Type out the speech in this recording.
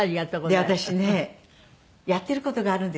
で私ねやってる事があるんです。